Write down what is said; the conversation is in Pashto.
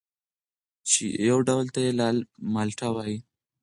چې یو ډول ته یې لال مالټه وايي